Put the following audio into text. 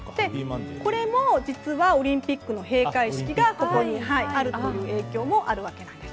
これも実はオリンピックの閉会式があるという影響もあるわけです。